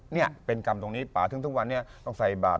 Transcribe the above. นี่เป็นกรรมตรงนี้ป่าถึงทุกวันนี้ต้องใส่บาท